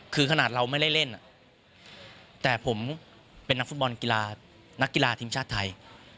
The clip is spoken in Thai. คือขนาดเราไม่ได้เล่นแต่ผมเป็นนักฟุตบอลกีฬานักกีฬาทีมชาติไทย